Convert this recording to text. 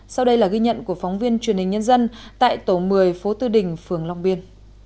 sau đây là ghi nhận của phóng viên truyền hình nhân dân tại tổ một mươi phố tư đình phường long biên